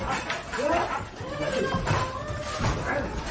ม่าวุ้ยย